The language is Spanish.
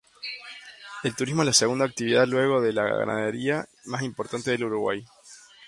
El turismo es la segunda actividad luego de la ganadería más importante del Uruguay.